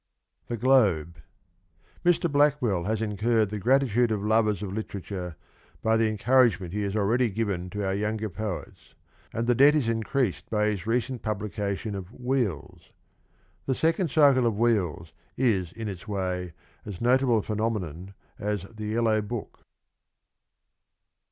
THE GLOBE. Mr. Blackwell has incurred the gratitude of lovers of literature by the encouragement he has already given to our younger poets, and the debt is increased by his recent publication of ' Wheels'. ... The second cycle of ' Wheels ' is in its way as notable a phenomenon as ' The Yellow Book.